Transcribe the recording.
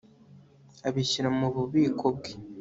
abishyira mu bubiko bwe